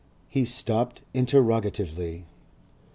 He stopped interrogatively.